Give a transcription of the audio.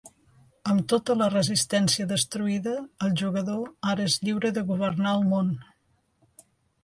Amb tota la resistència destruïda, el jugador ara és lliure de governar el món.